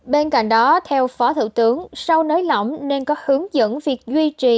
bên cạnh đó theo phó thủ tướng sau nới lỏng nên có hướng dẫn việc duy trì